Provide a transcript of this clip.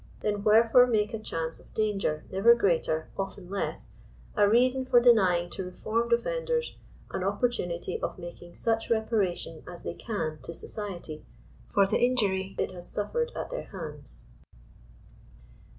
Then wherefore make a chance of danger, never greater, often less, a reason for denying to reformed offenders an opportunity of making such reparation as they can to society, for the injury it has suffered at their hands.